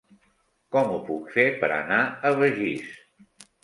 Com ho puc fer per anar a Begís?